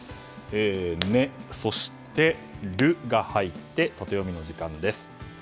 「ネ」、「ル」が入ってタテヨミの時間です。